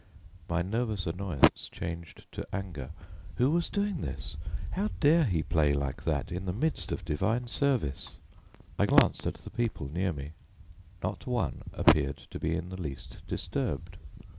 My nervous annoyance changed to anger. Who was doing this? How dare he play like that in the midst of divine service? I glanced at the people near me: not one appeared to be in the least disturbed.